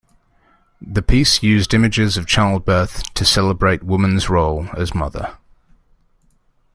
The piece used images of childbirth to celebrate woman's role as mother.